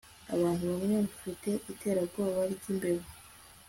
abantu bamwe bafite iterabwoba ryimbeba